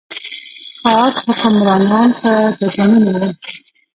ښار حکمرانان په درجنونو وو.